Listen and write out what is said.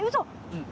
うん。